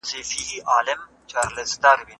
ماشومان د هر ملت د راتلونکي هیله او پانګه ګڼل کېږي.